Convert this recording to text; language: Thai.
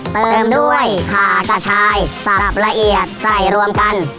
เติมด้วยขากระชายสับละเอียดใส่รวมกัน